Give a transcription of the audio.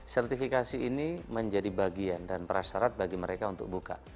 sertifikasi ini menjadi bagian dan prasyarat bagi mereka untuk buka